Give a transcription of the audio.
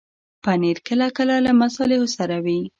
پنېر کله کله له مصالحو سره وي.